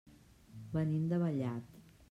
Venim de Vallat.